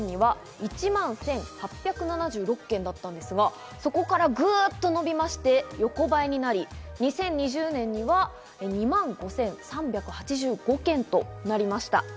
このグラフを見ると２０１０年には１万１８７６件だったんですが、そこからグッと伸びまして、横ばいになり２０２０年には２万５３８５件となりました。